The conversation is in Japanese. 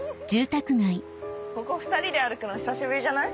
ここ２人で歩くの久しぶりじゃない？